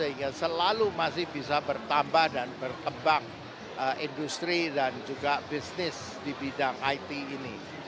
sehingga selalu masih bisa bertambah dan berkembang industri dan juga bisnis di bidang it ini